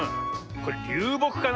これりゅうぼくかな。